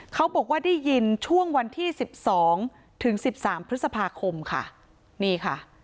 เขาบอกว่าได้ยินช่วงวันที่สิบสองถึงสิบสามพฤษภาคมค่ะนี่ค่ะ